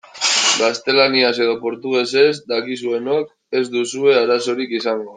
Gaztelaniaz edo portugesez dakizuenok ez duzue arazorik izango.